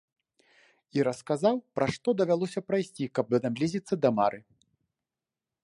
І расказаў, праз што давялося прайсці, каб наблізіцца да мары.